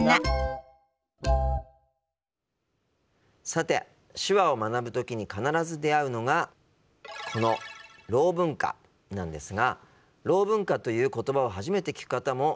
さて手話を学ぶ時に必ず出会うのがこのろう文化なんですがろう文化という言葉を初めて聞く方もいらっしゃるかと思います。